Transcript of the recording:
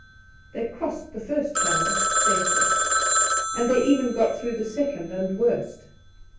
They crossed the first channel safely ; and they/ even got through the second and worst.